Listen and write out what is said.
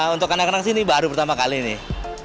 untuk anak anak sini baru pertama kali nih